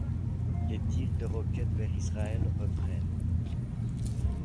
Les tirs de roquettes vers Israël reprennent.